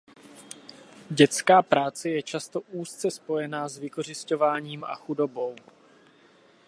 Dětská práce je často úzce spojená s vykořisťováním a chudobou.